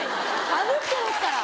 かぶってますから！